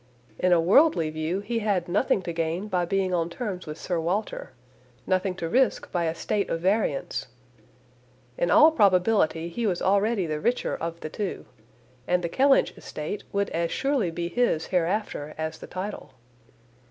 In a worldly view, he had nothing to gain by being on terms with Sir Walter; nothing to risk by a state of variance. In all probability he was already the richer of the two, and the Kellynch estate would as surely be his hereafter as the title.